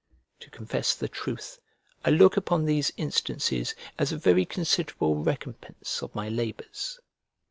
To confess the truth, I look upon these instances as a very considerable recompense of my labours.